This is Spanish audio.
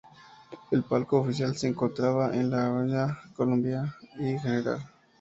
El palco oficial se encontraba en la Avda. Colombia y Gral.